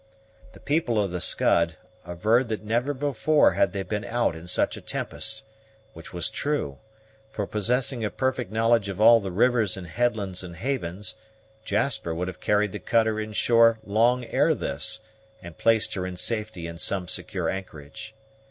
The people of the Scud averred that never before had they been out in such a tempest, which was true; for, possessing a perfect knowledge of all the rivers and headlands and havens, Jasper would have carried the cutter in shore long ere this, and placed her in safety in some secure anchorage.